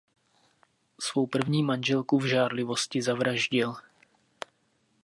Svou první manželku v žárlivosti zavraždil.